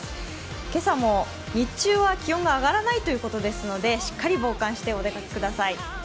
今朝も日中は気温が上がらないということですのでしっかり防寒してお出かけください。